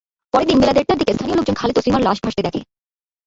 পরের দিন বেলা দেড়টার দিকে স্থানীয় লোকজন খালে তাসলিমার লাশ ভাসতে দেখে।